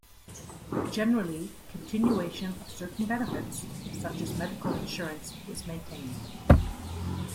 Generally, continuation of certain benefits, such as medical insurance, is maintained.